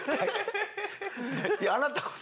いやあなたこそ。